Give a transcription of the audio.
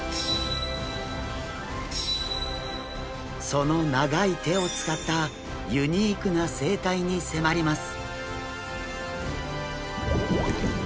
その長い手を使ったユニークな生態に迫ります。